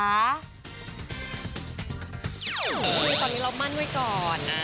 ตอนนี้เรามั่นไว้ก่อน